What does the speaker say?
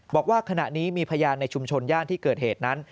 บอกว่าขณะนี้มีพยานในชุมชนย่านที่เกิดเหตุนั้น